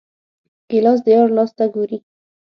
ګیلاس د یار لاس ته ګوري.